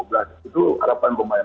itu harapan pemain